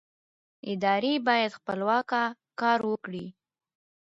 ادارې باید خپلواکه کار وکړي